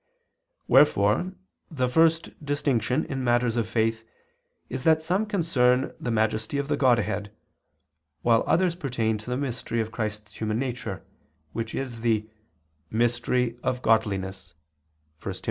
Wherefore the first distinction in matters of faith is that some concern the majesty of the Godhead, while others pertain to the mystery of Christ's human nature, which is the "mystery of godliness" (1 Tim.